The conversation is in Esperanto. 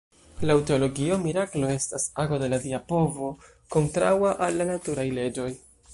Laŭ Teologio, miraklo estas ago de la dia povo kontraŭa al la naturaj leĝoj.